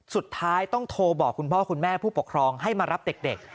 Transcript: สุดท้ายต้องโทรบอกคุณพ่อคุณแม่ผู้ปกครองให้มารับเด็ก